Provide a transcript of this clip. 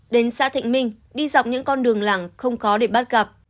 đến xã thịnh minh đi dọc những con đường làng không khó để bắt gặp